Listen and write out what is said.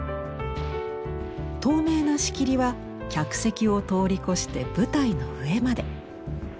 透明な仕切りは客席を通り越して舞台の上まで。